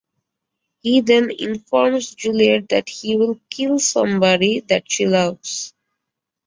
He then informs Juliet that he will kill somebody that she loves.